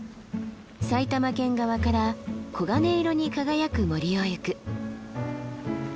埼玉県側から黄金色に輝く森を行く。